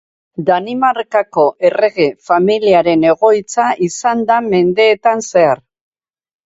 Danimarkako errege familiaren egoitza izan da mendeetan zehar.